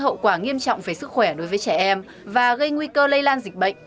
hậu quả nghiêm trọng về sức khỏe đối với trẻ em và gây nguy cơ lây lan dịch bệnh